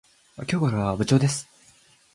今日から部長です。